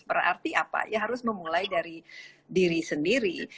berarti apa ya harus memulai dari diri sendiri